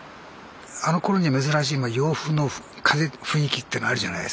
あのころには珍しいまあ洋風の雰囲気っていうのあるじゃないですか。